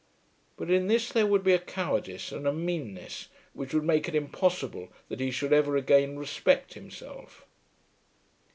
But in this there would be a cowardice and a meanness which would make it impossible that he should ever again respect himself.